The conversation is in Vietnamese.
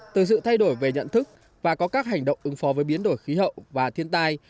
từ sự thay đổi về nhận thức và có các hành động ứng phó với biến đổi khí hậu và thiên tai